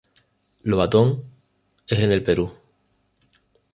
Lobatón es en el Perú.